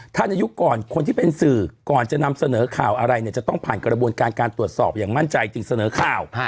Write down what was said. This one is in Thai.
ถ้าในยุคก่อนคนที่เป็นสื่อก่อนจะนำเสนอข่าวอะไรเนี่ยจะต้องผ่านกระบวนการการตรวจสอบอย่างมั่นใจจึงเสนอข่าว